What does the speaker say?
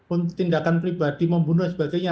untuk tindakan pribadi membunuh dan sebagainya